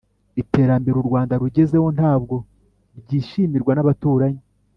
Iterambere U Rwanda rugezeho ntabwo ryishimirwa n’abaturanyi